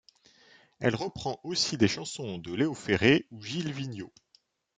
Elle reprend aussi des chansons de Léo Ferré ou Gilles Vigneault.